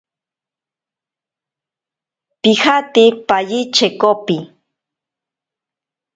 Pijate paye chekopi.